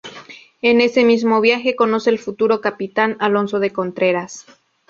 En ese mismo viaje, conoce al futuro capitán Alonso de Contreras.